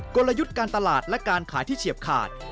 กลยุทธ์การตลาดและการขายที่เฉียบขาด